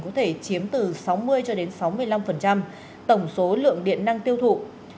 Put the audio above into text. có thể chiếm từ sáu mươi cho đến sáu mươi năm tổng số lượng điện năng tiêu thụ